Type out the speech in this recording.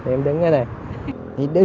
em đứng ở đây